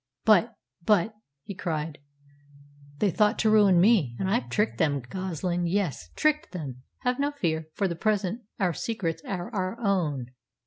But but," he cried, "they thought to ruin me, and I've tricked them, Goslin yes, tricked them! Have no fear. For the present our secrets are our own!"